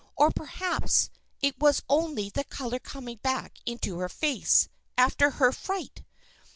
Or, perhaps, it was only the color coming back into her face, after her fright.